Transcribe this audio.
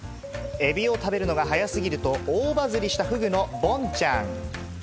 エビを食べるのが早すぎると大バズりした、フグのボンちゃん。